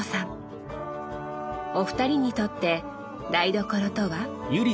お二人にとって台所とは？